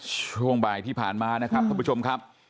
ช่วงบ่ายที่ผ่านมานะครับท่านผู้ชมครับ